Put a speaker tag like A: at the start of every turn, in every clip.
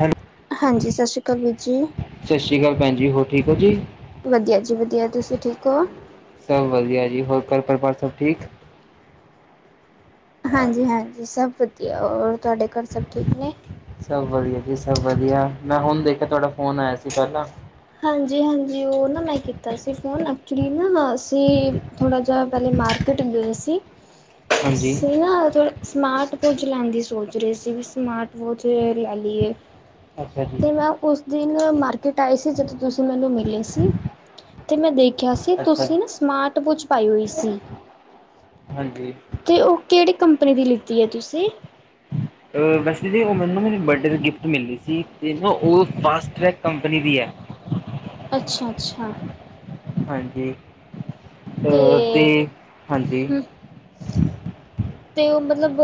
A: Hello
B: ਹਾਂਜੀ ਸਤਿ ਸ੍ਰੀ ਅਕਾਲ ਵੀਰ ਜੀ।
A: ਭੈਣਜੀ ਹੋਰ ਠੀਕ ਹੋ ਜੀ।
B: ਵਧੀਆ ਜੀ ਵਧੀਆ ਤੁਸੀ ਠੀਕ ਹੋ।
A: ਸਭ ਵਧੀਆ ਜੀ ਹੋਰ ਘਰ ਪਰਿਵਾਰ ਸਭ ਠੀਕ।
B: ਹਾਂਜੀ -ਹਾਂਜੀ ਸਭ ਵਧੀਆ ਹੋਰ ਤੁਹਾਡੇ ਘਰ ਸਭ ਠੀਕ ਨੇ
A: ਸਭ ਵਧੀਆ ਜੀ ਸਭ ਵਧੀਆ ਮੈਂ ਹੁਣ ਦੇਖਿਆ ਤੁਹਾਡਾ ਫੋਨ ਆਇਆ ਸੀ ਪਹਿਲਾਂ।
B: ਹਾਂਜੀ- ਹਾਂਜੀ ਉਹ ਨਾ ਮੈਂ ਕੀਤਾ ਸੀ ਫੋਨ ਐਕਚੁਲੀ ਨਾ ਅਸੀਂ ਥੋੜਾ ਜਾ ਪਹਿਲੇ ਮਾਰਕੀਟ ਅਸੀ ਗੇਸੀ
A: ਹਾਂਜੀ
B: ਸੀ ਨ ਸਮਾਟ ਕੁਝ ਲੈਂਦੀ ਸੋਚ ਰਹੀ ਸੀ ਵੀ ਸਮਾਟ ਵੋਚ ਲੈ ਲਈਏ
A: ਅੱਛਾ ਜੀ
B: ਤੇ ਮੈ ਉਸਦੀ ਮਾਰਕੀਟ ਆਏ ਸੀ ਜਦੋ ਤੁਸੀ ਮੈਨੂੰ ਮਿਲੇ ਸੀ ਤੇ ਮੈ ਦੇਖ ਕਿਹਾ ਸੀ
A: ਅੱਛਾ ਜੀ
B: ਤੁਸੀ ਨਾ ਸਮਾਰਟ ਵਾਚ ਪਾਈ ਹੋਈ ਸੀ।
A: ਹਾਂਜੀ
B: ਅਤੇ ਉਹ ਕਿਹੜੀ ਕੰਪਨੀ ਦੀ ਲਿਤੀ ਹੈ। ਤੁਸੀ
A: ਅ ਵੈਸੇ ਜੀ ਉਹ ਮੈਨੂੰ ਨਾ ਮੇਰੀ ਬਰਡੇ ਦੀ ਗਿਫਟ ਮਿਲਦੀ ਸੀ ਤੇ ਨਾ ਉਹ ਫਾਸਟ ਟ੍ਰੈਕ ਕੰਪਨੀ ਦੀ ਹੈ। [unintelligible]
B: ਅੱਛਾ ਅੱਛਾ
A: ਹਾਂਜੀ
B: ਤੇ
A: ਹਾਂਜੀ
B: ਹ ਤੇ ਉਹ ਮਤਲਬ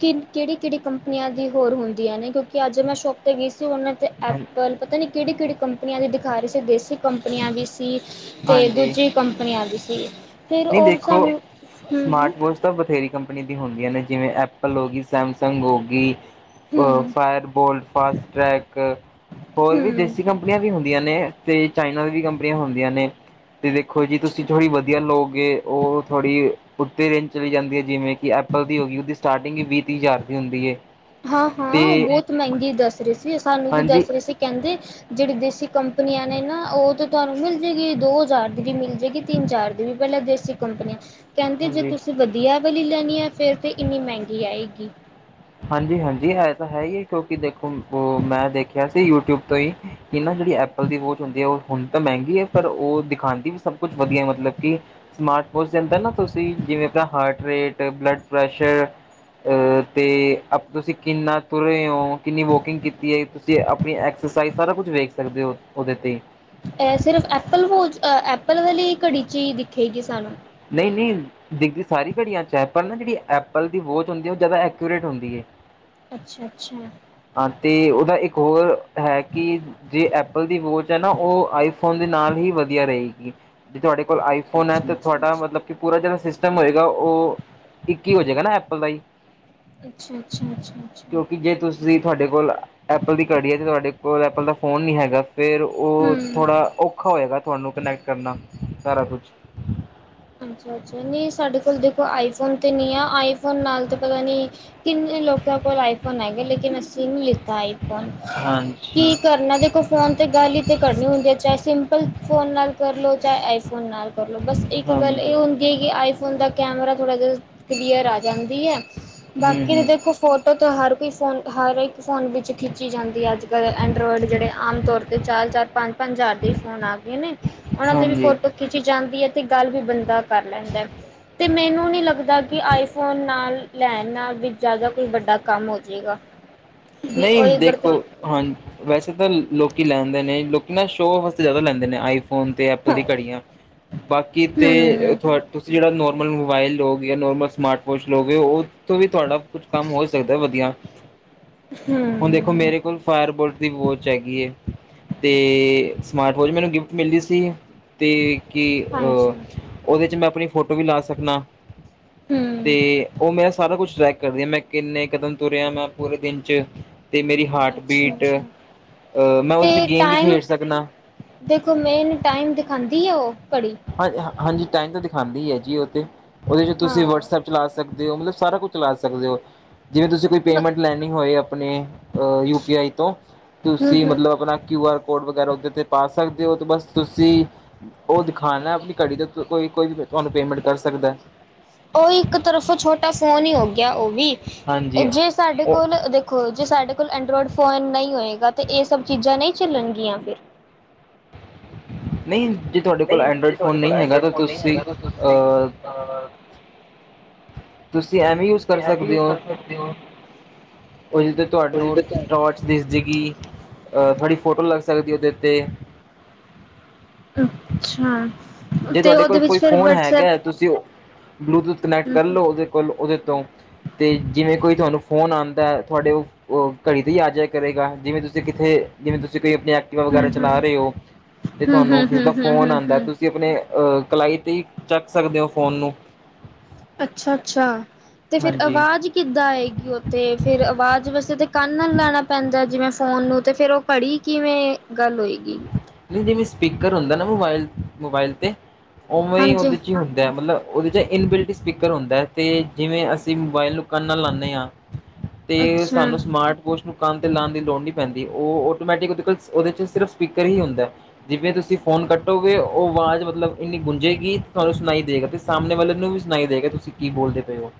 B: ਕਿ ਕਿਹੜੀ ਕਿਹੜੀ ਕੰਪਨੀਆਂ ਦੀ ਹੋਰ ਹੁੰਦੀਆਂ ਨੇ ਕਿਉਂਕਿ ਅਜ ਮੈਂ ਸ਼ੋਪ 'ਤੇ ਗਈ ਸੀ ਉਹਨਾਂ ਤੇ
A: ਹਾਂ
B: ਐਪਲ ਪਤਾ ਨੀ ਕਿਹੜੀ ਕਿਹੜੀ ਕੰਪਨੀਆਂ ਦੀ ਦਿਖਾ ਰਹੀ ਸੀ ਦੇਸੀ ਕੰਪਨੀਆਂ ਵੀ ਅਤੇ ਦੂਜੀ- ਹੈਗੀ ਸੀ- ਫਿਰ
A: ਨਹੀ
B: ਉਹ
A: ਦੇਖੋ
B: ਸਾਨੂੰ ਹੂੰ-ਹੂੰ
A: ਸਮਾਰਟ ਵੋਚ ਤਾਂ ਬਥੇਰੀ ਕੰਪਨੀ ਦੀ ਹੁੰਦੀਆਂ ਨੇ ਜਿਵੇਂ ਐਪਲ ਹੋ ਗਈ ਸੈਮਸੰਗ ਹੋ ਗਈ ਅ ਫਾਇਰ ਬੋਲਟ ਫਾਸਟ ਟ੍ਰੈਕ ਹੋਰ ਵੀ
B: ਹੂੰ-ਹੂੰ
A: ਦੇਸੀ ਕੰਪਨੀਆਂ ਵੀ ਹੁੰਦੀਆਂ ਨੇ ਤੇ ਚਾਈਨਾ ਦੀ ਵੀ ਕੰਪਨੀਆਂ ਹੁੰਦੀਆਂ ਨੇ ਤੇ ਦੇਖੋ ਜੀ ਤੁਸੀਂ ਥੋੜ੍ਹੀ ਵਧੀਆ ਲੋਕ ਉਹ ਥੋੜ੍ਹੀ- ਉਤੇ ਰੇਂਜ ਚਲੀ ਜਾਂਦੀ ਹੈ। ਜਿਵੇਂ ਕਿ ਐਪਲ ਦੀ ਹੋ ਗਈ ਉਹਦੀ ਸਟਾਰਟਿੰਗ ਵੀਹ ਤੀਹ ਹਜ਼ਾਰ ਦੀ ਹੁੰਦੀ ਹੈ।
B: ਹਾਂ ਹਾਂ
A: ਤੇ
B: ਉਹ ਬਹੁਤ ਮਹਿੰਗੀ ਦੱਸ ਰਹੇ ਸੀ ਸਾਨੂੰ ਵੀ
A: ਹਾਂਜੀ
B: ਦੱਸ ਰਹੇ ਸੀ ਕਹਿੰਦੇ ਜਿਹੜੀ ਦੇਸੀ ਕੰਪਨੀਆਂ ਨੇ ਨਾ ਉਹ ਤਾਂ ਤੁਹਾਨੂੰ ਮਿਲ ਜਾਏਗੀ, ਦੋ ਹਜ਼ਾਰ ਦੀ ਵੀ ਮਿਲ ਜਾਏਗੀ ਤਿਨ ਚਾਰ ਹਜ਼ਾਰ ਦੀ ਵੀ ਪਹਿਲਾਂ ਵਿਦੇਸੀ ਕੰਪਨੀਆ ਕਹਿਦੇ ਜੇ
A: ਹਾਂਜੀ
B: ਤੁਸੀ ਵਧੀਆ ਵਾਲੀ ਲੈਣੀ ਹੈ। ਫਿਰ ਤਾਂ ਇਨੀ ਮਹਿਗੀ ਆਏਗੀ
A: ਹਾਂਜੀ ਹਾਂਜੀ ਇਹ ਤਾਂ ਹੈ। ਹੀ ਹੈ। ਕਿਉ ਕਿ ਦੇਖੋ ਉਹ ਮੈਂ ਦੇਖਿਆ ਸੀ ਯੂਟਿਊਬ ਤੋ ਹੀ ਕਿ ਨਾ ਜਿਹੜੀ ਐਪਲ ਦੀ ਵਾਚ ਹੁੰਦੀ ਹੈ। ਉਹ ਹੁਣ ਤਾਂ ਮਹਿੰਗੀ ਹੈ। ਪਰ ਉਹ ਦਿਖਾਉਦੀ ਵੀ ਸਭ ਕੁਛ ਵਧੀਆ ਮਤਲਬ ਕਿ ਸਮਾਨ ਹੋ ਜਾਦਾ ਨਾ ਤੁਸੀ ਜਿਵੇ ਆਪਣਾ heart pressure rate blood pressure ਅਤੇ ਤੁਸੀ ਕਿਨਾ ਤੁਰੇ ਹੋ ਕਿਨੀ ਵੋਕਿਗ ਕੀਤੀ ਹੈ। ਤੁਸੀ ਆਪਣੀ ਐਕਸਰਸਾਈਜ ਸਾਰਾ ਕੁਛ ਵੇਖ ਸਕਦੇ ਹੋ ਉਹਦੇ ਤੇ
B: ਸਿਰਫ ਐਪਲ ਵੋਚ ਪਲ ਪਹਿਲੇ ਇਹ ਘੜੀ ਚ ਹੀ ਦਿਖੇਗੀ ਸਾਨੂੰ
A: ਨਹੀਂ ਨਹੀਂ ਦਿਖਦੀ ਸਾਰੀ ਘੜੀਆਂ ਚ' ਹੈ। ਪਰ ਨਾ ਜਿਹੜੀ ਐਪਲ ਦੀ ਵੋਚ ਹੁੰਦੀ ਹੈ। ਉਹ ਜ਼ਿਆਦਾ ਐਕੂਰੇਟ ਹੁੰਦੀ ਹੈ।
B: ਅੱਛਾ- ਅੱਛਾ
A: ਹਾਂ ਤੇ ਉਹਦਾ ਇਕ ਹੋਰ ਹੈ। ਕਿ ਜੇ ਐਪਲ ਦੀ ਵੋਚ ਹੈ। ਨਾ ਉਹ ਆਈਫੋਨ ਦੇ ਨਾਲ ਹੀ ਵਧੀਆ ਰਹੇਗੀ ਬੀ ਤੁਹਾਡੇ ਕੋਲ ਆਈਫੋਨ ਹੈ ਤੇ ਤੁਹਾਡਾ
B: ਅੱਛਾ-ਅੱਛਾ-ਅੱਛਾ
A: ਮਤਲਬ ਕਿ ਪੂਰਾ ਜਿਹੜਾ ਸਿਸਟਮ ਹੋਏਗਾ ਉਹ ਇੱਕ ਹੀ ਹੋ ਜਾਏਗਾ ਨਾ ਐਪਲ ਦਾ ਹੀ
B: ਅੱਛਾ ਅੱਛਾ ਅੱਛਾ ਅੱਛਾ
A: ਕਿਉਂਕਿ ਜੇ ਤੁਸੀਂ ਤੁਹਾਡੇ ਕੋਲ ਐਪਲ ਦੀ ਘੜੀ ਹੈ ਅਤੇ ਤੁਹਾਡੇ ਕੋਲ ਐਪਲ ਦਾ ਫੋਨ ਨਹੀਂ ਹੈਗਾ ਫਿਰ ਉਹ
B: ਹੂੰ
A: ਥੋੜ੍ਹਾ ਔਖਾ ਹੋਏਗਾ ਤੁਹਾਨੂੰ ਕਨੈਕਟ ਕਰਨਾ ਸਾਰਾ ਕੁਛ
B: ਅੱਛਾ ਅੱਛਾ ਨਹੀਂ ਸਾਡੇ ਕੋਲ ਦੇਖੋ ਆਈਫੋਨ ਤੇ ਨਹੀਂ ਆ ਆਈਫੋਨ ਨਾਲ ਤੇ ਪਤਾ ਨੀ ਕਿੰਨੇ ਲੋਕਾਂ ਕੋਲ ਆਈਫੋਨ ਹੈਗੇ ਲੇਕਿਨ ਅਸੀਂ ਨਹੀਂ ਲਿੱਤਾ ਈ
A: ਹਾਂਜੀ
B: ਕੀ ਕਰਨਾ ਦੇਖੋ ਫੋਨ ਤੇ ਗੱਲ ਹੀ ਤੇ ਕਰਨੀ ਹੁੰਦੀ ਹੈ ਚਾਹੇ ਸਿੰਪਲ ਫੋਨ ਨਾਲ ਕਰਲੋ ਚਾਏ ਅਇੰਫੋਨ ਨਾਲ ਕਰਲੋ ਬਸ ਇਕ ਗੱਲ ਏ
A: ਹਾਂਜੀ
B: ਹੁੰਦੀ ਏ ਕੀ ਅਇੰਫੋਨ ਦਾ ਕੈਮਰਾ ਥੋੜਾ ਕਲੀਅਰ ਆ ਜਾਂਦੀ ਹੈ,
A: ਹੂੰ
B: ਬਾਕੀ ਤੇ
A: ਹੂੰ
B: ਦੇਖੋ ਫੋਟੋ ਤੋਂ ਹਰ ਕੋਈ ਫੋਨ ਹਰ ਇੱਕ ਫੋਨ ਵਿੱਚ ਠੀਕ ਰੱਚੀ ਜਾਂਦੀ ਐ, ਅੱਜ ਕੱਲ ਐੰਡਰਾਇਡ ਜਿਹੜੇ ਆਮ ਤੌਰ ਤੇ ਚਾਰ-ਚਾਰ, ਪੰਜ-ਪੰਜ ਹਜ਼ਾਰ ਦੇ ਫੋਨ ਆ ਗਏ ਨੇ ਉਹਨਾ ਦੀ ਵੀ
A: ਹਾਂਜੀ
B: ਫੋਟੋ ਖਿੱਚੀ ਜਾਂਦੀ ਹੈ ਤੇ ਗੱਲ ਵੀ ਬੰਦਾ ਕਰ ਲੈਂਦਾ ਤੇ ਮੈਨੂੰ ਨੀ ਲੱਗਦਾ, ਕਿ ਆਈਫੋਨ ਨਾਲ ਲੈਣ ਨਾਲ ਵੀ ਜ਼ਿਆਦਾ ਕੋਈ ਵੱਡਾ ਕੰਮ ਹੋ ਜੇਗਾ
A: ਨਹੀਂ ਦੇਖੋ, ਹਾਂ ਵੈਸੇ ਤਾਂ ਲੋਕੀ ਲੈਂਦੇ ਨੇ ਲੋਕ ਨਾ ਸ਼ੋ ਆਸਤੇ ਜ਼ਿਆਦਾ ਲੈਂਦੇ ਨੇ ਆਈ ਫੋਨ ਤੇ ਐਪਲ ਦੀ ਘੜੀਆਂ, ਬਾਕੀ ਤੇ
B: ਹੂੰ,
A: ਤੁ ਤੁਸੀਂ ਜਿਹੜਾ ਨੋ ਨੋਰਮਲ ਮੋਬਾਈਲ ਜਾਂ ਨੋਰਮਲ ਸਮਾਰਟ ਵੋਚ ਲਗੇ ਉਹ ਤੋਂ ਵੀ ਤੁਹਾਡਾ ਕੁਛ ਕੰਮ ਹੋ ਸਕਦਾ ਵਧੀਆ ਹੁਣ ਦੇਖੋ
B: ਹੂੰ,
A: ਮੇਰੇ ਕੋਲ ਫਾਇਰਬੋਲਟ ਦੀ ਵੋਚ ਹੈਗੀ ਏ। ਤੇ ਸਮਾਰਟ ਵੋਚ ਮੈਨੂੰ ਗਿਫਟ ਮਿਲੀ ਸੀ ਤੇ ਕੀ
B: ਹਾਂਜੀ,
A: ਉਹਦੇ ਚ ਮੈਂ ਆਪਣੀ ਫੋਟੋ ਵੀ ਲਾ ਸਕਣਾ,
B: ਹੂੰ,
A: ਤੇ ਉਹ ਮੇਰਾ ਸਾਰਾ ਕੁਛ ਰੈ ਕਰਦੀ ਹ ਮੈਂ ਕਿੰਨੇ ਕਦਮ ਤੁਰਿਆ ਮਾ, ਪੂਰੇ ਦਿਨ ਚ ਅਤੇ ਮੇਰੀ ਹਾਰਟ ਬੀਟ।
B: ਅੱਛਾ-ਅੱਛਾ
A: ਮੈਂ ਉਹਦੇ ਤੇ ਗੇਮ ਵੀ ਖੇਡ ਸਕਣਾ
B: ਦੇਖੋ ਮੈ ਇਹਨੂੰ ਟਾਈਮ ਦਿਖਾਉਂਦੀ ਏ ਉਹ?
A: ਹਾਂਜੀ, ਟਾਈਮ ਤੇ ਦਿਖਾਉਂਦੀ ਹੀ ਹੈ ਜੀ ਉਹ ਤੇ, ਉਹਦੇ ਚ
B: ਹਾਂ,
A: ਤੁਸੀਂ ਵਟਸਐਪ ਚਲਾ ਸਕਦੇ ਮਤਲਬ ਸਾਰਾ ਕੁੱਝ ਚਲਾ ਸਕਦੇ ਹੋ ਜਿਵੇਂ ਤੁਸੀਂ ਕੋਈ ਪੇਮੈਂਟ ਲੈਣੀ ਹੋਏ ਆਪਣੇ ਯੂ-ਪੀ-ਆਈ ਤੋਂ। ਤੁਸੀਂ
B: ਹੂੰ-ਹੂੰ
A: ਮਤਲਬ ਆਪਣਾ ਕਿਊਆ ਕੋਡ ਵਗੈਰਾ ਉਦੇ ਤੇ ਪਾ ਸਕਦੇ ਹੋ, ਬਸ ਤੁਸੀਂ ਉਹ ਦਿਖਾਨੈ ਅਪਣੀ ਘੜੀ ਦਾ ਕੋਈ ਕੋਈ ਵੀ ਤੁਹਾਨੂੰ ਪੇਮੈਂਟ ਕਰ ਸਕਦਾ
B: ਉਹ ਇੱਕ ਤਰਫੋਂ ਛੋਟਾ ਫੋਨ ਹੀ ਹੋ ਗਿਆ, ਉਹ ਵੀ
A: ਹਾਂਜੀ
B: ਜੇ ਸਾਡੇ
A: ਉਹ
B: ਕੋਲ, ਦੇਖੋ ਜੇ ਸਾਡੇ ਕੋਲ ਐਂਡਰੋਇਡ ਫੋਨ ਨਹੀਂ ਹੋਏਗਾ ਇਹ ਸਭ ਚੀਜ਼ਾਂ ਨਹੀਂ ਝੱਲਣਗੀਆਂ ਫਿਰ
A: ਨਹੀਂ ਜੇ ਤੁਹਾਡੇ ਕੋਲ
B: ਨਈ
A: ਐਂਡਰੋਇਡ
B: ਜੇ
A: ਫੋਨ
B: ਤੁਹਾਡੇ ਕੋਲ
A: ਨਹੀਂ ਹੈਗਾ
B: ਐਂਡਰੋਇਡ
A: ਤਾਂ
B: ਫੋਨ ਨਈ
A: ਤੁਸੀਂ
B: ਹੈਗਾ ਤਾਂ ਤੁਸੀਂ
A: ਅਹ
B: ਅ
A: ਤੁਸੀਂ ਐਵੇਂ ਯੂਜ
B: ਤੁਸੀਂ
A: ਕਰ
B: ਐ ਵੀ
A: ਸਕਦੇ
B: ਯੂਜ
A: ਹੋ
B: ਕਰ ਸਕਦੇ ਓ
A: ਉਹਦੇ ਤੇ ਤੁਹਾਨੂੰ ਟੋਰਚ ਦਿਸਜੇਗੀ ਥਡੀ ਫੋਟੋ ਲੱਗ ਸਕਦੀ ਉਹਦੇ ਉੱਤੇ
B: ਅੱਛਾ
A: ਜੇ
B: ਤੇ
A: ਤੁਹਾਡੇ
B: ਓਦੇ
A: ਕੋਲ ਕੋਈ
B: ਵਿੱਚ ਫਿਰ
A: ਫ਼ੋਨ ਹੈਗਾ
B: ਵਟਸਐਪ
A: ਤੁਸੀਂ ਬਲੂਟੂਥ ਕਨੈਕਟ ਕਰ ਲਉ ਉਹਦੇ ਕੋਲ ਉਹਦੇ ਤੋਂ ਤੇ ਜਿਵੇਂ ਕੋਈ ਤੁਹਾਨੂੰ ਫੋਨ ਆਉਂਦਾ ਤੁਹਾਡੇ ਉਹ ਘੜੀ ਤੇ ਹੀ ਆ ਜਯਾ ਕਰੇਗਾ ਜਿਵੇਂ ਤੁਸੀਂ ਕਿਥੇ ਜਿਵੇਂ ਤੁਸੀਂ ਕੋਈ ਆਪਣੀ ਐਕਟੀਵਾ ਵਗੈਰਾ ਚਲਾ ਰਹੇ
B: ਹੂੰ-ਹੂੰ-ਹੂੰ-ਹੂੰ-ਹੂੰ-ਹੂੰ-ਹੂੰ-ਹੂੰ-ਹੂੰ-ਹੂੰ।
A: ਹੋ, ਤੇ ਤੁਹਾਨੂੰ ਕਿਸੇ ਦਾ ਫੋਨ ਆਉਂਦਾ, ਤੁਸੀਂ ਅਹ, ਕਲਾਈ ਤੇ ਹੀ ਚੱਕ ਸਕਦੇ ਹੋ ਫੋਨ ਨੂੰ
B: ਅੱਛਾ ਅੱਛਾ ਤੇ ਫੇਰ
A: ਹਾਂਜੀ
B: ਆਵਾਜ਼ ਕਿੱਦਾਂ ਆਏਗੀ ਉਤੇ, ਫੇਰ ਆਵਾਜ਼ ਵਾਸਤੇ ਤੇ ਕੰਨ ਨਾ ਲਾਣਾ ਪੈਂਦਾ ਜਿਵੇਂ ਫੋਨ ਨੂੰ ਤੇ ਫੇਰ ਉਹ ਘੜੀ ਕਿਵੇਂ ਗੱਲ ਹੋਏਗੀ
A: ਨਹੀਂ ਜਿਵੇਂ ਸਪੀਕਰ ਹੁੰਦਾ ਨਾ ਮੋਬਾਇਲ, ਮੋਬਾਇਲ ਤੇ ਉਵੇਂ ਹੀ
B: ਹਾਂਜੀ
A: ਉਹਦੇ ਚ ਹੀ ਹੁੰਦੇ ਹੈ ਮਤਲਬ ਉਹਦੇ ਚ ਇਨਬਿਲਟੀ ਸਪੀਕਰ ਹੁੰਦਾ ਹੈ ਤੇ ਜਿਵੇਂ ਅਸੀਂ ਮੋਬਾਇਲ ਨੂੰ ਕੰਨ ਨਾਲ ਲਾਨੇ ਆ ਤੇ
B: ਅੱਛਾ।
A: ਸਾਨੂੰ ਸਮਾਰਟ ਵੋਚ ਨੂੰ ਕੰਨ ਤੇ ਲਾਉਣ ਦੀ ਲੋੜ ਨਹੀ ਪੈਂਦੀ, ਉਹ ਆਟੋਮੈਟਿਕ ਉਹ, ਉਹਦੇ 'ਚ ਸਿਰਫ ਸਪੀਕਰ ਹੀ ਹੁੰਦਾ, ਜਿਵੇਂ ਤੁਸੀਂ ਫੋਨ ਕੱਟੋਗੇ, ਉਹ ਆਵਾਜ਼ ਮਤਲਬ ਇੰਨੀ ਗੁੰਜੇਗੀ, ਤੁਹਾਨੂੰ ਸੁਣਾਈ ਦੇ। ਤੇ ਸਾਹਮਣੇ ਵਾਲੇ ਨੂੰ ਵੀ ਸੁਣਾਈ ਦੇਗਾ, ਤੁਸੀਂ ਕੀ ਬੋਲਦੇ ਪਏ ਹੋ।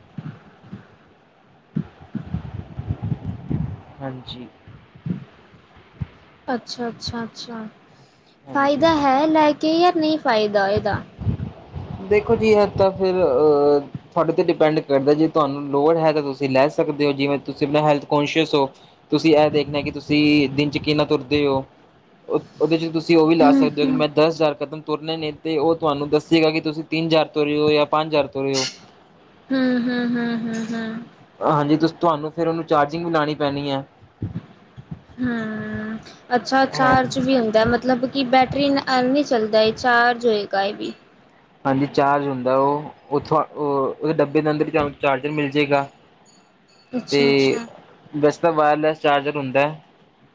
A: ਹਾਂਜੀ।
B: ਅੱਛਾ, ਅੱਛਾ, ਅੱਛਾ,
A: ਹਾਂਜੀ
B: ਫਾਇਦਾ ਹੈ ਲੈ ਕੇ ਯ ਨਹੀਂ। ਫਾਇਦਾ ਇਹਦਾ।
A: ਦੇਖੋ ਜੀ, ਇਹ ਤਾਂ ਫਿਰ ਅ ਤੁਹਾਡੇ ਤੇ ਡਿਪੈਂਡ ਕਰਦਾ ਜੇ ਤੁਹਾਨੂੰ ਲੋੜ ਹੈ, ਤਾਂ ਤੁਸੀਂ ਲੈ ਸਕਦੇ ਹੋ, ਜਿਵੇਂ ਤੁਸੀਂ ਆਪਣਾ ਹੈਲਥ ਕੋਂਨਸ਼ੀਅਸ ਹੋ। ਤੁਸੀਂ ਇਹ ਦੇਖਣਾ ਕਿ ਤੁਸੀਂ ਦਿਨ ਚ ਕਿੰਨਾ ਤੁਰਦੇ ਹੋ। ਉਹਦੇ ਚ ਤੁਸ ਸੀਂ ਉਹ ਵੀ ਲਾ ਸਕਦੇ ਹੋ ਕਿ ਮੈਂ ਦਸ ਹਜ਼ਾਰ ਖਤਮ ਤੁਰਨੇ ਨੇ, ਤੇ ਉਹ ਤੁਹਾਨੂੰ ਦੱਸੇਗਾ ਕਿ ਤੁਸੀਂ ਤਿੰਨ ਹਜ਼ਾਰ ਤੁਰ ਹੋ ਜਾਂ ਪੰਜ ਹਜ਼ਾਰ ਤੁਰੇ ਹੋ
B: ਹ, ਹ, ਹ, ਹ, ਹ
A: ਹਾਂਜੀ ਤੁਸੀਂ ਤੁਹਾਨੂੰ ਫਿਰ ਉਹਨੂੰ ਚਾਰਜਿੰਗ ਵੀ ਲਾਉਣੀ ਪੈਣੀ ਹੈ।
B: ਹਮ ਅੱਛਾ ਚਾਰਜ ਵੀ ਹੁੰਦਾ ਮਤਲਬ ਕਿ ਬੈਟਰੀ ਨਾਲ ਚੱਲਦਾ ਹੈ ਚਾਰਜ ਹੋਏ ਗਾ ਇਹ ਵੀ।
A: ਹਾਂਜੀ ਚਾਰਜ ਹੁੰਦਾ ਉਹ ਉੱਥੋਂ ਉਹ ਉਹਦੇ ਡੱਬੇ ਦੇ ਅੰਦਰ ਹੀਂ ਤੁਹਾਨੂੰ ਚਾਰਜਰ ਮਿਲ ਜਾਏਗਾ। ਤੇ
B: ਅੱਛਾ-ਅੱਛਾ।
A: ਵੈਸੇ ਤਾਂ ਵਾਇਰਲੈਸ ਚਾਰਜਰ ਹੁੰਦਾ ਹੈ।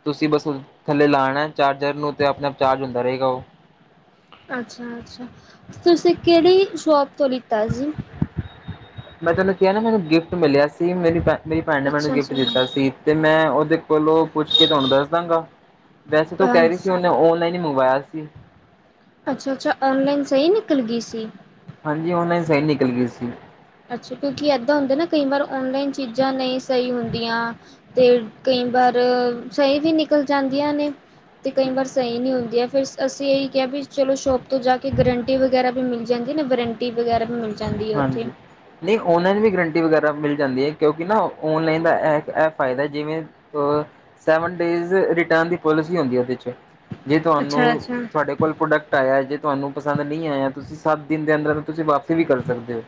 A: ਤੁਸੀਂ ਬਸ ਥੱਲੇ ਲਾਉਣਾ ਚਾਰਜਰ ਨੂੰ ਤੇ ਆਪਣੇ ਆਪ ਚਾਰਜ ਹੁੰਦਾ ਰਹੇਗਾ ਉਹ।
B: ਅੱਛਾ-ਅੱਛਾ ਤੁਸੀਂ ਕਿਹੜੀ ਸ਼ੋਪ ਤੋਂ ਲਿੱਤਾ ਸੀ?
A: ਮੈਂ ਤੈਨੂੰ ਕਿਹਾ ਨਾ ਮੈਨੂੰ ਗਿਫਟ ਮਿਲਿਆ ਸੀ ਮੇਰੀ ਭੈਣ ਮੇਰੀ ਭੈਣ ਨੇ ਮੈਨੂੰ ਗਿਫਟ
B: ਅੱਛਾ-ਅੱਛਾ
A: ਦਿੱਤਾ
B: ਹਾਂਜੀ।
A: ਸੀ ਤੇ ਮੈਂ ਉਹਦੇ ਕੋਲੋਂ ਪੁੱਛ ਕੇ ਤੁਹਾਨੂੰ ਦੱਸ ਦਾਂਗਾ। ਵੈਸੇ ਤਾਂ ਉਹ ਕਹਿ ਰਹੀ ਸੀ ਉਹਨੇ ਔਨਲਾਈਨ ਹੀ ਮੰਗਵਾਇਆ ਸੀ।
B: ਅੱਛਾ ਅੱਛਾ ਆਨਲਾਈਨ ਸਹੀ ਨਿਕਲ ਗਈ ਸੀ।
A: ਹਾਂਜੀ ਔਨਲਾਈਨ ਸਹੀ ਨਿਕਲ ਗਈ ਸੀ।
B: ਅੱਛਾ ਕਿਉਂਕਿ ਏਦਾਂ ਹੁੰਦਾ ਨਾ ਕਈ ਵਾਰ ਓਨਲਾਈਨ ਚੀਜ਼ਾਂ ਨਹੀਂ ਸਹੀ ਹੁੰਦੀਆਂ। ਤੇ ਕਈ ਵਾਰ ਸਹੀ ਵੀ ਨਿਕਲ ਜਾਂਦੀਆਂ ਨੇ ਤੇ ਕਈ ਵਾਰ ਸਹੀ ਨਹੀਂ ਹੁੰਦੀਆਂ। ਫਿਰ ਅਸੀਂ ਇਹੀ ਕਿਹਾ ਵੀ ਚਲੋ ਸ਼ੋਪ ਤੋਂ ਜਾ ਕੇ ਗਰੰਟੀ ਵਗੈਰਾ ਵੀ ਮਿਲ ਜਾਂਦੀ ਨਾ ਵਰੰਟੀ ਵਗੈਰਾ ਵੀ ਮਿਲਦੀ ਜਾਂਦੀ ਹੈ ਉੱਥੇ।
A: ਹਾਂਜੀ। ਨਹੀਂ ਔਨਲਾਈਨ ਵੀ ਗਰੰਟੀ ਵਗੈਰਾ ਮਿਲ ਜਾਂਦੀ ਹੈ ਕਿਉਂਕਿ ਨਾ ਔਨਲਾਈਨ ਦਾ ਇਹ ਇਹ ਫਾਇਦਾ ਜਿਵੇਂ ਸੇਵਨ ਡੇਜ ਰਿਟਨ ਦੀ ਪੋਲਿਸੀ ਹੁੰਦੀ ਉਹਦੇ ਵਿੱਚ। ਜੇ ਤੁਹਾਨੂੰ
B: ਅੱਛਾ-ਅੱਛਾ, ਅੱਛਾ-ਅੱਛਾ,
A: ਤੁਹਾਡੇ ਕੋਲ ਪ੍ਰੋਡਕਟ ਆਇਆ ਜੇ ਤੁਹਾਨੂੰ ਪਸੰਦ ਨਹੀਂ ਆਇਆ ਤੁਸੀਂ ਸੱਤ ਦਿਨ ਦੇ ਅੰਦਰ ਤੁਸੀਂ ਵਾਪਸੀ ਵੀ ਕਰ ਸਕਦੇ ਹੋ।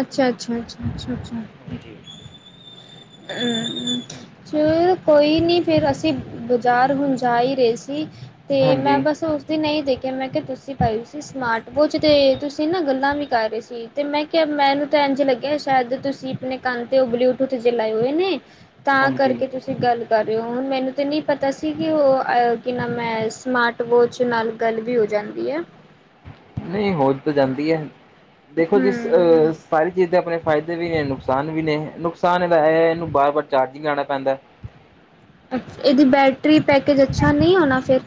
B: ਅੱਛਾ ਅੱਛਾ ਅੱਛਾ ਅੱਛਾ।
A: ਹਾਂਜੀ।
B: ਚਲ ਕੋਈ ਨਹੀਂ ਫਿਰ ਅਸੀਂ ਬਾਜ਼ਾਰ ਹੁਣ ਜਾ ਹੀ ਰਹੇ ਸੀ। ਤੇ ਮੈਂ
A: ਹਾਂਜੀ,
B: ਬਸ ਉਸ ਦਿਨ ਇਹੀ ਦੇਖਿਆ ਮੈਂ ਕਿਹਾ ਤੁਸੀਂ ਪਾਈ ਸੀ ਸਮਾਰਟ ਵੋਚ ਤੇ ਤੁਸੀਂ ਨਾ ਗੱਲਾਂ ਕਰ ਰਹੇ ਸੀ ਤੇ ਮੈਂ ਕਿਹਾ ਮੈਨੂੰ ਤਾਂ ਇੰਝ ਲੱਗਿਆ ਸ਼ਾਇਦ ਤੁਸੀਂ ਆਪਣੇ ਕੰਨ ਤੇ ਉਹ ਬਲੂਟੂਥ ਲਾਏ ਹੋਏ ਨੇ ਤਾਂ
A: ਹਾਂਜੀ
B: ਕਰਕੇ ਤੁਸੀਂ ਗੱਲ ਕਰ ਹੁਣ ਮੈਨੂੰ ਤੇ ਨਹੀਂ ਪਤਾ ਸੀ ਕਿ ਉਹ ਕਿ ਨਾ ਮੈਂ ਸਮਾਰਟ ਵੋਚ ਨਾਲ ਗੱਲ ਵੀ ਹੋ ਜਾਂਦੀ। ਹੁੰਦੀ ਏ
A: ਨਹੀਂ ਹੋ ਤਾਂ ਜਾਂਦੀ ਹੈ। ਦੇਖੋ ਜੀ
B: ਹਮ।
A: ਸਾਰੀ ਚੀਜ਼ ਤੇ ਆਪਣੇ ਫਾਇਦੇ ਵੀ ਨੇ ਨੁਕਸਾਨ ਵੀ ਨੇ, ਨੁਕਸਾਨ ਇਹਦਾ ਐ ਐ ਇਹਨੂੰ ਬਾਰ ਵਾਰ ਚਾਰਜਿੰਗ ਲਾਣਾ ਪੈਂਦਾ ਐ।
B: ਅੱਛ, ਇਹਦੀ ਬੈਟਰੀ ਪੈਕੇਜ ਅੱਛਾ ਨਹੀਂ ਹੋਣਾ ਫਿਰ।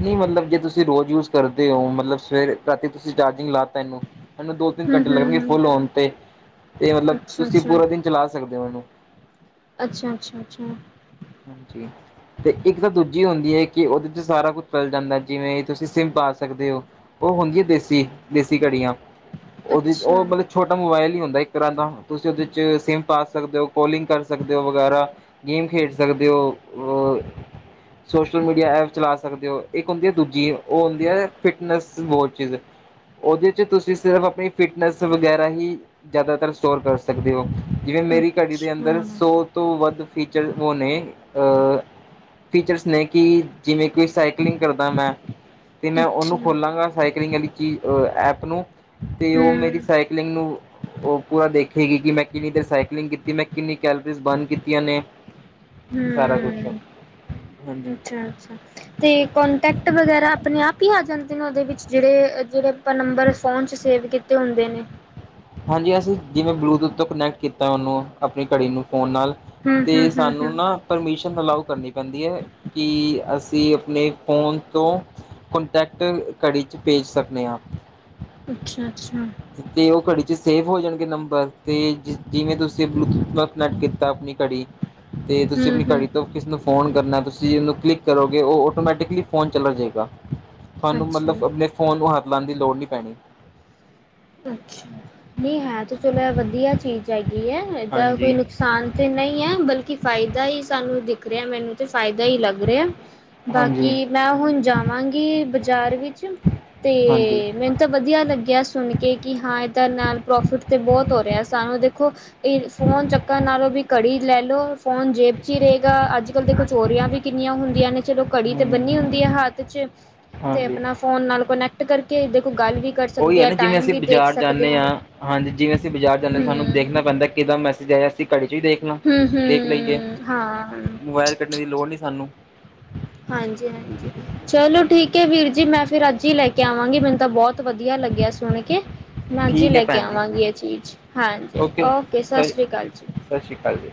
A: ਨਹੀਂ ਮਤਲਬ ਜੇ ਤੁਸੀਂ ਰੋਜ਼ ਯੂਜ ਕਰਦੇ ਹੋ ਮਤਲਬ ਸਵੇ ਰਾਤੀ ਤੁਸੀਂ ਚਾਰਜਿੰਗ ਲਾ ਤ ਇਹਨੂੰ ਉਹਨੂੰ ਦੋ ਤਿੰਨ
B: ਹਮ
A: ਘੰਟੇ ਲੱਗਣਗੇ
B: ਹਮ
A: ਫੁੱਲ ਹੋਣ ਤੇ ਤੇ ਮਤਲਬ
B: ਅੱਛਾ
A: ਤੁਸੀਂ
B: ਅੱਛਾ।
A: ਪੂਰਾ ਦਿਨ ਚਲਾ ਸਕਦੇ ਹੋ ਇਹਨੂੰ।
B: ਅੱਛਾ ਅੱਛਾ ਅੱਛਾ
A: ਹਾਂਜੀ ਤੇ ਇੱਕ ਤਾਂ ਦੂਜੀ ਹੁੰਦੀ ਹੈ ਕਿ ਉਹਦੇ ਚ ਸਾਰਾ ਕੁਛ ਚਲ ਜਾਂਦਾ ਜਿਵੇਂ ਤੁਸੀਂ ਸਿਮ ਪਾ ਸਕਦੇ ਹੋ ਉਹ ਹੁੰਦੀ ਦੇਸੀ ਦੇਸੀ ਘੜੀਆਂ। ਉਹਦੇ
B: ਅੱਛਾ
A: ਉਹ ਮਤਲਬ ਛੋਟਾ ਮੋਬਾਇਲ ਹੀ ਹੁੰਦਾ। ਇੱਕ ਤਰ੍ਹਾਂ ਦਾ ਤੁਸੀਂ ਉਹਦੇ ਚ ਸਿਮ ਪਾ ਸਕਦੇ ਹੋ ਕਾਲਿੰਗ ਕਰ ਸਕਦੇ ਹੋ ਵਗੈਰਾ ਗੇਮ ਖੇਡ ਸਕਦੇ ਹੋ। ਸੋਸ਼ਲ ਮੀਡੀਆ ਐਪ ਚਲਾ ਸਕਦੇ ਹੋ ਇੱਕ ਹੁੰਦੀ ਹੈ ਦੂਜੀ ਉਹ ਹੁੰਦੀ ਹੈ ਫਿਟਨੈਸ ਵੋਚੀਸ ਉਹਦੇ ਚ ਤੁਸੀਂ ਸਿਰਫ ਆਪਣੀ ਫਿਟਨੈਸ ਵਗੈਰਾ ਹੀ ਜ਼ਿਆਦਾਤਰ ਸਟੋਰ ਕਰ ਸਕਦੇ ਹੋ ਜਿਵੇਂ
B: ਅੱਛਾ
A: ਮੇਰੀ ਘੜੀ ਦੇ
B: ਅੱਛਾ
A: ਅੰਦਰ ਸੌ ਤੋਂ ਵੱਧ ਫੀਚਰ ਉਹ ਨੇ ਫੀਚਰਸ ਨੇ ਕਿ ਜਿਵੇਂ ਕਿ ਕੋ ਸਾਈਕਲਿੰਗ ਕਰਦਾ ਮੈਂ ਅਤੇ ਮੈਂ ਉਹਨੂੰ ਖੋਲਾਂਗਾ ਸਾਈਕਲਿੰਗ ਵਾਲੀ ਚੀਜ਼ ਐਪ ਨੂੰ ਤੇ ਉਹ ਮੇਰੀ
B: ਹਮ
A: ਸਾਈਕਲਿੰਗ ਨੂੰ ਉਹ ਪੂਰਾ ਦੇਖੇਗੀ ਕਿ ਮੈਂ ਕਿੰਨੀ ਦੇਰ ਸਾਈਕਲਿੰਗ ਕੀਤੀ ਮੈਂ ਕਿੰਨੀ ਕੈਲਰੀਜ਼ ਬਰਨ ਕੀਤੀਆਂ ਨੇ ਸਾਰਾ ਕੁਛ
B: ਹਮ
A: ਹਾਂਜੀ
B: ਅੱਛਾ ਅੱਛਾ ਤੇ ਕੋਂਟੈਕਟ ਵਗੈਰਾ ਆਪਣੇ ਆਪ ਹੀ ਆ ਜਾਂਦਾ ਦਿਨ ਉਹਦੇ ਵਿੱਚ ਜਿਹੜੇ ਜਿਹੜੇ ਆਪਾਂ ਨੰਬਰ ਫੋਨ ਚ ਸੇਵ ਕੀਤੇ ਹੁੰਦੇ ਨੇ
A: ਹਾਂਜੀ ਅਸੀਂ ਜਿਵੇਂ ਬਲੂਟੂਥ ਤੋਂ ਕਨੈਕਟ ਕੀਤਾ ਉਹਨੂੰ ਆਪਣੀ ਘੜੀ ਨੂੰ ਫ਼ੋਨ ਨਾਲ
B: ਹਮ
A: ਤੇ
B: ਹਮ ਹਮ
A: ਸਾਨੂੰ
B: ਹਮ
A: ਨਾ ਪਰਮੀਸ਼ਨ ਅਲਾਓ ਕਰਨੀ ਪੈਂਦੀ ਐ ਕਿ ਅਸ ਸੀਂ ਆਪਣੇ ਫ਼ੋਨ ਤੋਂ ਕੋਂਟੈਕਟ ਘੜੀ ਚ ਭੇਜ ਸਕਨੇ ਹਾਂ।
B: ਅੱਛਾ। ਅੱਛਾ
A: ਤੇ ਉਹ ਘੜੀ ਚ ਸ ਸੇਵ ਹੋ ਜਾਣਗੇ ਨੰਬਰ ਅਤੇ ਜਿਸ ਜਿਵੇਂ ਤੁਸੀਂ ਬਲੂਟੂਥ ਨਾਲ ਕਨੈਕਟ ਕੀਤਾ ਆਪਣੀ ਘੜੀ ਤੇ ਤੁਸੀਂ
B: ਹਮ
A: ਆਪਣੀ
B: ਹਮ
A: ਘੜੀ ਤੋਂ ਕਿਸੇ ਨੂੰ ਫੋਨ ਕਰਨਾ ਐ, ਤੁਸੀਂ ਉਹਨੂੰ ਕਲਿੱਕ ਕਰੋਗੇ ਉਹ ਔਟੋਮੈਟਿਕਲੀ ਫੋਨ ਚਲਾ ਜੇਗਾ। ਸਾਨੂੰ
B: ਅੱਛਾ
A: ਮਤਲਬ ਆਪਣੇ ਫੋਨ ਨੂੰ ਹੱਥ ਲਾਣ ਦੀ ਲੋੜ ਨੀ ਪੈਣੀ
B: ਅੱਛਾ, ਨਹੀ ਹੈ ਤੇ ਚਲੋ ਵਧੀਆ ਚੀਜ਼ ਹੈਗੀ ਈ ਐ। ਇਹਦਾ
A: ਹਾਂਜੀ।
B: ਕੋਈ ਨੁਕਸਾਨ ਤਾਂ ਨਹੀਂ ਐ ਬਲਕਿ ਫਾਇਦਾ ਈ ਸਾਨੂੰ ਦਿਖ ਰਿਹਾ ਮੈਨੂੰ ਤੇ ਸ ਫਾਇਦਾ ਈ ਲੱਗ ਰਿਆ।
A: ਹਾਂਜੀ,
B: ਬਾਕੀ ਮੈਂ ਹੁਣ ਜਾਵਾਂਗੀ ਬਾਜ਼ਾਰ ਵਿੱਚ ਤੇ
A: ਹਾਂਜੀ।
B: ਮੈਨੂੰ ਤਾਂ ਵਧੀਆ ਲੱਗਿਆ ਸੁਣ ਕ ਹਾਂ ਇਹਦਾ ਨਾਲ ਪ੍ਰੋਫਿਟ ਤੇ ਬਹੁਤ ਹੋ ਰਿਹਾ ਸਾਨੂੰ, ਦੇਖੋ ਇਹ ਫੋਨ ਚੱਕਣ ਨਾਲੋਂ ਵੀ ਘੜੀ ਈ ਲੈ ਲੋ ਫੋਨ ਜੇਬ ਚ ਈ ਰਏਗਾ। ਅੱਜ ਕੱਲ ਦੇਖੋ ਚੋਰੀਆਂ ਵੀ ਕਿੰਨੀਆਂ ਹੁੰਦੀਆਂ ਨੇ ਚਲੋ ਘੜੀ ਤੇ ਬੰਨੀ ਹੁੰਦੀ ਐ
A: ਹੂੰ।
B: ਹੱਥ ਚ ਤੇ
A: ਹਾਂਜੀ।
B: ਆਪਣਾ ਫੋਨ ਨਾਲ ਕੋਨੈਕਟ ਕਰਕੇ ਦ ਗੱਲ ਵੀ ਕਰ
A: ਉਹੀ
B: ਸਕਦੇ
A: ਹੈ
B: ਐ
A: ਨਾ ਜਿਵੇਂ ਅਸੀਂ ਬਾਜ਼ਾਰ ਜਾਂਨੇ ਆਂ, ਹਾਂਜੀ ਜਿਵੇਂ ਅਸੀਂ ਬਾਜ਼ਾਰ ਜਾਂਨੇ ਆਂ
B: ਹੂੰ,
A: ਸਾਨੂੰ ਦੇਖਣਾ ਪੈਂਦਾ ਕਿਦਾ ਮੈਸੇਜ ਆਇਆ ਅਸੀ ਘੜੀ ਚੋ ਈ ਦੇਖਲੋ,
B: ਹੂੰ,
A: ਦੇਖ ਲਈਏ।
B: ਹੂੰ ਹਾਂ
A: ਮੋਬਾਇਲ ਕੱਢਣ ਦੀ ਲੋੜ ਨੀ ਸਾਨੂੰ।
B: ਹਾਂਜੀ ਹਾਂਜੀ। ਚਲੋ ਠੀਕ ਐ ਵੀਰ ਜੀ ਮੈਂ ਫਿਰ ਅੱਜ ਈ ਲੈ ਕੇ ਆਵਾਂਗੀ। ਮੈਨੂੰ ਤਾਂ ਬਹੁਤ ਵਧੀਆ ਲੱਗਿਆ ਸੁਣ ਕੇ। ਮੈਂ ਅੱਜ ਈ
A: ਠੀਕ ਹੈ
B: ਲੈ ਕੇ
A: ਭੈਣ ਜੀ
B: ਆਵਾਂਗੀ ਇਹ ਚੀਜ਼। ਹਾਂਜੀ, ਓਕੇ ਸਤਿ ਸ੍ਰੀ ਸ਼੍ਰੀ ਕਾਲ ਜੀ
A: ਸਤਿ ਸ੍ਰੀ ਕਾਲ ਜੀ।